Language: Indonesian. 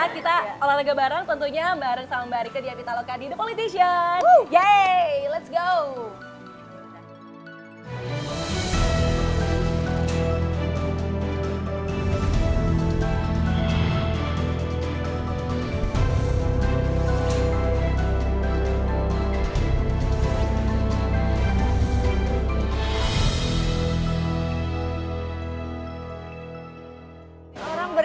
kita olahraga bareng tentunya bareng sama mbak rika di apitaloka di the polytation